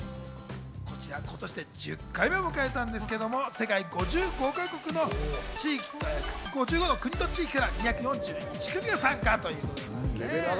今年で１０回目を迎えたんですけど、世界５５か国の国と地域から２４１組が参加ということです。